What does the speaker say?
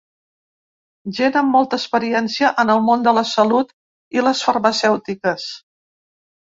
Gent amb molta experiència en el món de la salut i les farmacèutiques.